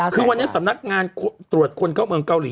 คือวันนี้สำนักงานตรวจคนเข้าเมืองเกาหลี